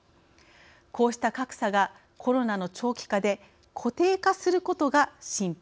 こうした格差がコロナの長期化で固定化することが心配されます。